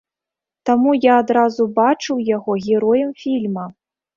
Таму я адразу бачыў яго героем фільма.